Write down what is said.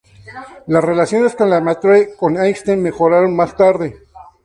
Las relaciones de Lemaître con Einstein mejoraron más tarde.